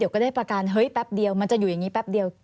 ก็ได้ประการเฮ้ยแป๊บเดียวมันจะอยู่อย่างนี้แป๊บเดียว